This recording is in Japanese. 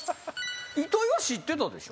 糸井は知ってたでしょ？